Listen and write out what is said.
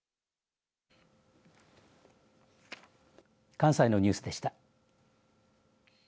関西のニュースでした。